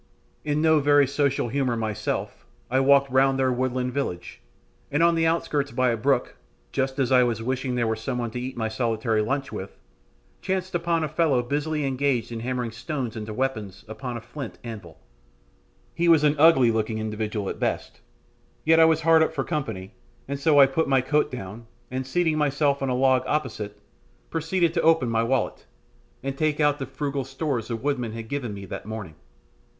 In no very social humour myself, I walked round their woodland village, and on the outskirts, by a brook, just as I was wishing there were some one to eat my solitary lunch with, chanced upon a fellow busily engaged in hammering stones into weapons upon a flint anvil. He was an ugly looking individual at best, yet I was hard up for company, so I put my coat down, and, seating myself on a log opposite, proceeded to open my wallet, and take out the frugal stores the woodman had given me that morning.